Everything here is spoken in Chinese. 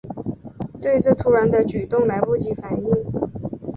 对这突然的举动来不及反应